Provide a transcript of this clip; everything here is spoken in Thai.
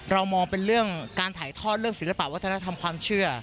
มองเป็นเรื่องการถ่ายทอดเรื่องศิลปะวัฒนธรรมความเชื่อ